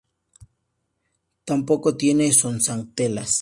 Tampoco tiene zooxantelas.